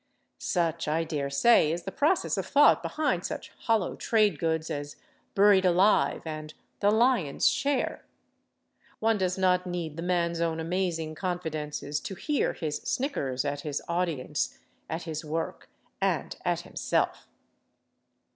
Such, I daresay, is the process of thought behind such hollow trade goods as "Buried Alive" and "The Lion's Share." One does not need the man's own amazing confidences to hear his snickers at his audience, at his work and at himself.